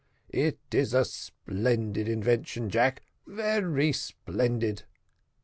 It is a splendid invention, Jack, very splendid.